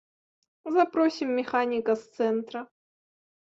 Запросім механіка з цэнтра.